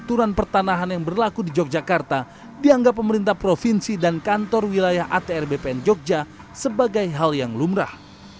aturan pertanahan yang berlaku di yogyakarta dianggap pemerintah provinsi dan kantor wilayah atr bpn jogja sebagai hal yang lumrah